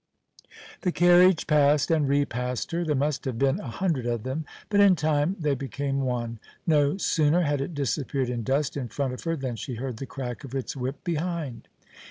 The carriage passed and repassed her. There must have been a hundred of them, but in time they became one. No sooner had it disappeared in dust in front of her than she heard the crack of its whip behind.